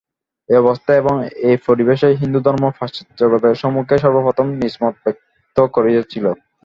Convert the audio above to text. এই অবস্থায় এবং এই পরিবেশেই হিন্দুধর্ম পাশ্চাত্য জগতের সম্মুখে সর্বপ্রথম নিজমত ব্যক্ত করিয়াছিল।